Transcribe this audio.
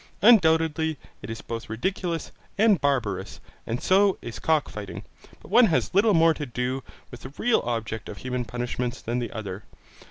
Undoubtedly it is both ridiculous and barbarous, and so is cock fighting, but one has little more to do with the real object of human punishments than the other.